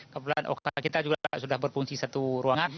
kebetulan kita juga sudah berfungsi satu ruangan